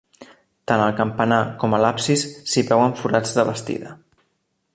Tant al campanar com a l'absis s'hi veuen forats de bastida.